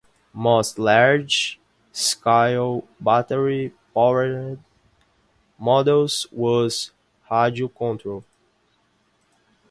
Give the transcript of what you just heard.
Most large scale battery powered models use radio control.